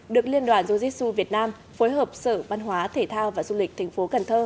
được liên đoàn jiu jitsu việt nam phối hợp sở văn hóa thể thao và du lịch tp cn